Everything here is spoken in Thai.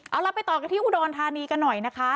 เอาล่ะไปต่อกันที่อุดรธานีกันหน่อยนะคะ